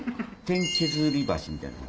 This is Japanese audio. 天削り箸？みたいな。